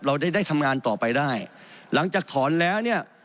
เราได้ได้ทำงานต่อไปได้หลังจากถอนแล้วเนี่ย